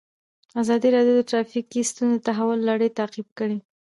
ازادي راډیو د ټرافیکي ستونزې د تحول لړۍ تعقیب کړې.